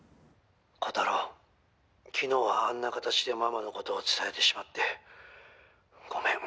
「こたろう昨日はあんな形でママの事を伝えてしまってごめん」